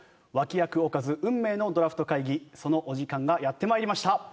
脇役おかず運命のドラフト会議そのお時間がやって参りました。